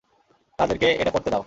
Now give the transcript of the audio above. তাদেরকে এটা করতে দাও।